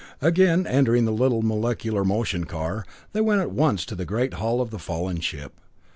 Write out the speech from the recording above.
Again entering the little molecular motion car, they went at once to the great hull of the fallen ship.